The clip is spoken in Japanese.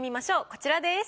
こちらです。